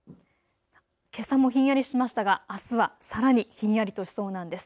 けさもひんやりしましたがあすはさらにひんやりとしそうなんです。